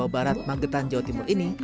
barat magetan jawa timur ini